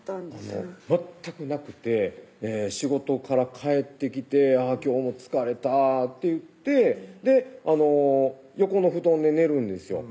全くなくて仕事から帰ってきて「今日も疲れた」って言って横の布団で寝るんですよ